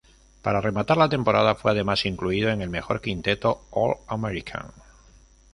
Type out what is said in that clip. Para rematar la temporada, fue además incluido en el mejor quinteto All-American.